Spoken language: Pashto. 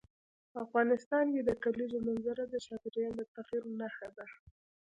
افغانستان کې د کلیزو منظره د چاپېریال د تغیر نښه ده.